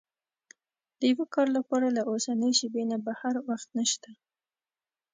د يوه کار لپاره له اوسنۍ شېبې نه بهتر وخت نشته.